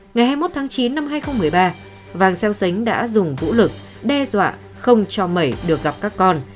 ngày hai mươi một tháng chín năm hai nghìn một mươi ba vàng xeo xánh đã dùng vũ lực đe dọa không cho mẩy được gặp các con